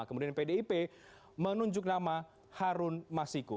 kemudian pdip menunjuk nama harun masiku